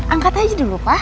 angkat aja dulu pak